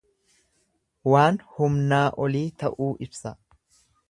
Waan humnaa olii ta'uu ibsa.